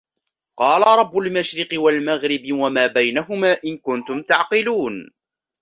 قال رب المشرق والمغرب وما بينهما إن كنتم تعقلون